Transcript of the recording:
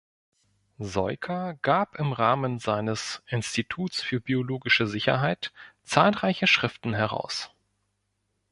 Soyka gab im Rahmen seines „Instituts für biologische Sicherheit“ zahlreiche Schriften heraus.